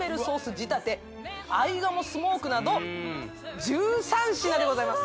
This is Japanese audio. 仕立て合鴨スモークなど１３品でございます